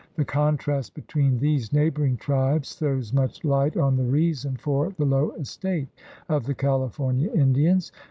The contrast be tween these neighboring tribes throw^s much light on the reason for the low estate of the California Indians.